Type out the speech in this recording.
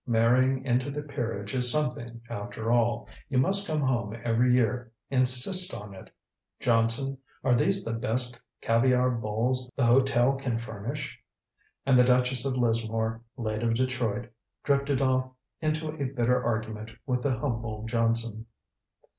"Marrying into the peerage is something, after all. You must come home every year insist on it. Johnson are these the best caviar bowls the hotel can furnish?" And the Duchess of Lismore, late of Detroit, drifted off into a bitter argument with the humble Johnson.